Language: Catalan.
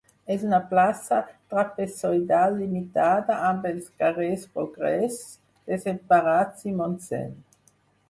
És una plaça trapezoidal limitada amb els carrers Progrés, Desemparats i Montseny.